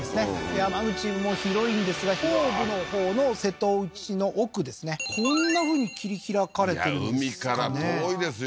山口も広いんですが東部のほうの瀬戸内の奥ですねこんなふうに切り拓かれていや海から遠いですよ